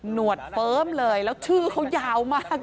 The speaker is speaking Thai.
หวดเฟิร์มเลยแล้วชื่อเขายาวมาก